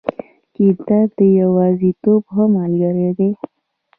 کتاب د یوازیتوب ښه ملګری دی.